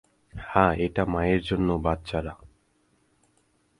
হ্যাঁ, এটা মায়ের জন্য, বাচ্চারা।